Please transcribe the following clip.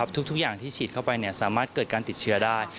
ทุกอย่างที่ฉีดเข้าไปสามารถเกิดการติดเชื้อได้